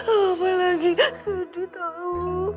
mama lagi sedih tau